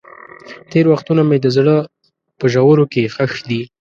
تېر وختونه مې د زړه په ژورو کې ښخ دي.